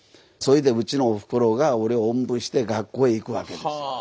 それでうちのおふくろが俺をおんぶして学校へ行くわけですよ。